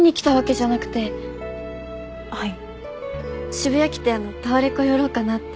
渋谷来てあのタワレコ寄ろうかなって。